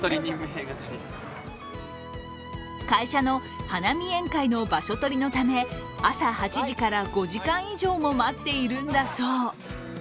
会社の花見宴会の場所取りのため、朝８時から５時間以上も待っているんだそう。